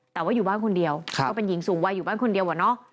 แต่ว่าอยู่บ้านคนเดียวก็เป็นหญิงสูงวัยอยู่บ้านคนเดียวอะเนาะ